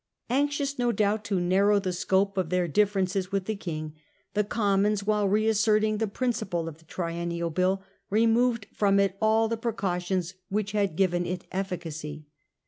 * Anxious no doubt to narrow the scope of their differences with the King, the Commons, while re asserting the principle of the Triennial Bill, removed from it all the precautions which had given it efficacy.